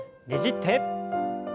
ねじって。